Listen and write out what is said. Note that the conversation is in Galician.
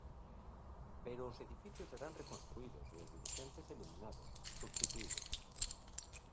Pero os edificios serán reconstruídos e os dirixentes eliminados, substituídos.